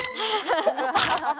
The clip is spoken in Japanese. ハハハハ！